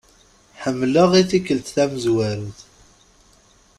Ḥemlaɣ i-tikelt tamzwarut.